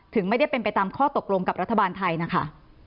ถึงไม่ได้เป็นไปตามข้อตกลงกับรัฐบาลไทยนะคะ